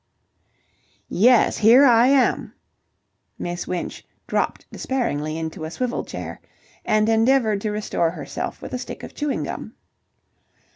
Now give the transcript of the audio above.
"Yes, here I am!" Miss Winch dropped despairingly into a swivel chair, and endeavoured to restore herself with a stick of chewing gum.